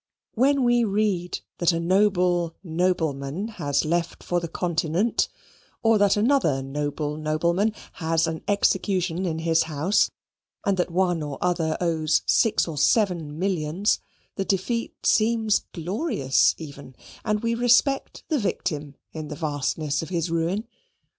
When we read that a noble nobleman has left for the Continent, or that another noble nobleman has an execution in his house and that one or other owes six or seven millions, the defeat seems glorious even, and we respect the victim in the vastness of his ruin.